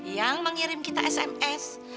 yang mengirim kita sms